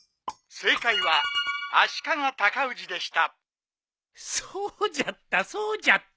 正解は足利義政でした。